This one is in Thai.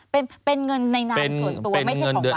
เป็นเงินในนามส่วนตัวไม่ใช่ของหวาน